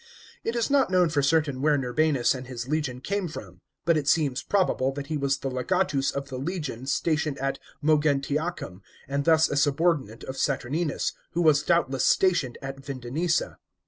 It is not known for certain where Norbanus and his legion came from ; but it seems probable that he was the legatus of the legion stationed at M oguntiacum, and thus a subordinate of Saturninus, who was doubtless stationed at Vindonissa.